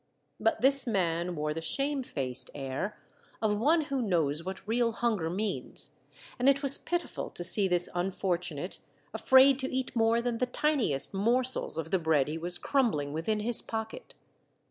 But this man wore the shamefaced air of one who knows what real hunger means, and it was pitiful to see this unfortunate afraid to eat more than the tiniest morsels of the bread he was crumbling within his pocket.